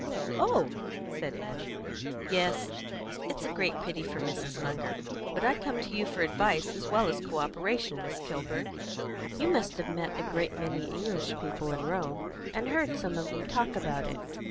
"Oh!" said Annie. "Yes; it's a great pity for Mrs. Munger. But I come to you for advice as well as co operation, Miss Kilburn. You must have met a great many English people in Rome, and heard some of them talk about it.